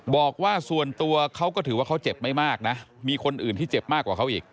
บอกว่าส่วนตัวเขาก็ถือว่าเขาเจ็บไม่มากนะมีคนอื่นที่เจ็บมากกว่าเขาอีก